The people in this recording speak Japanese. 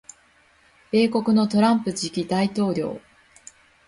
米国のトランプ次期大統領